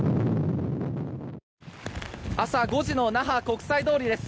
朝５時の那覇・国際通りです。